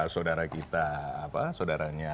saudara kita saudaranya